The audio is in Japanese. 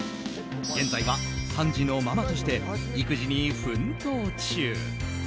現在は、３児のママとして育児に奮闘中。